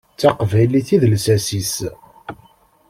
D taqbaylit i d lsas-is.